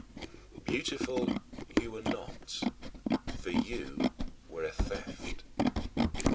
Beautiful you were not, for you were a theft.